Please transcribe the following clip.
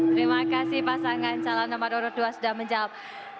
terima kasih pasangan calon nomor urut dua sudah menjawab